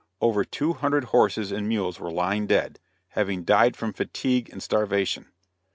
Over two hundred horses and mules were lying dead, having died from fatigue and starvation.